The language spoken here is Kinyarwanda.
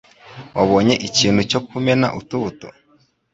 Wabonye ikintu cyo kumena utubuto?